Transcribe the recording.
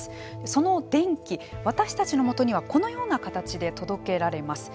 その電気、私たちのもとにはこのような形で届けられます。